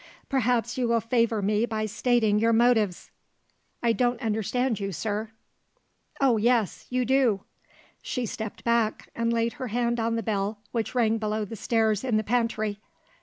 Perhaps you will favour me by stating your motives?" "I don't understand you, sir." "Oh, yes you do!" She stepped back, and laid her hand on the bell which rang below stairs, in the pantry.